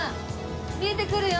見えてくるよ！